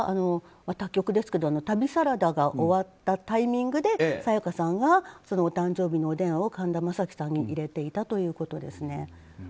他局ですけど「旅サラダ」が終わったタイミングで沙也加さんがお誕生日のメッセージを神田さんに入れていたということですね。